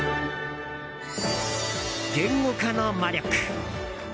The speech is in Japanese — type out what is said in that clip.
「言語化の魔力」。